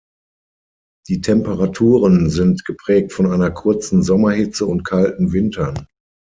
Die Temperaturen sind geprägt von einer kurzen Sommerhitze und kalten Wintern.